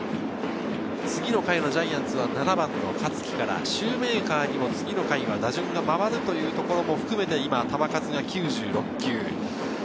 次の回のジャイアンツは７番・香月からシューメーカーにも次の回は打順が回ることも含めて、今、球数は９６球。